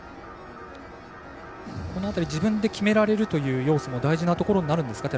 この辺り、自分で決められるという要素も大事なことになるんですか？